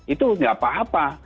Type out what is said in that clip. itu enggak apa apa